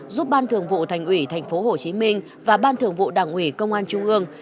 giúp ban thường vụ thành ủy tp hcm và ban thường vụ đảng ủy công an trung ương